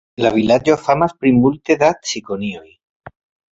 La vilaĝo famas pri multe da cikonioj.